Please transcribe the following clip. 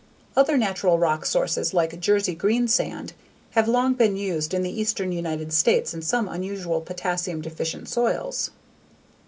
Other natural rock sources like Jersey greensand have long been used in the eastern United States on some unusual potassium deficient soils.